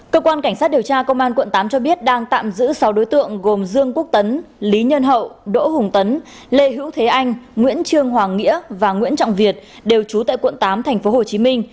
cơ quan cảnh sát điều tra công an quận tám cho biết đang tạm giữ sáu đối tượng gồm dương quốc tấn lý nhân hậu đỗ hùng tấn lê hữu thế anh nguyễn trương hoàng nghĩa và nguyễn trọng việt đều trú tại quận tám tp hcm